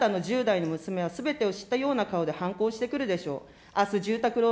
あなたの１０代の娘は、すべてを知ったような顔で反抗してくるでしょう。